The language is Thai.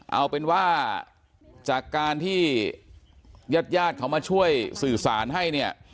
เอาเป็นว่าจากการที่ญาติญาติเขามาช่วยสื่อสารให้เนี่ย